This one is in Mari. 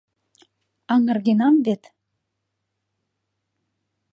Аҥыргенам вет?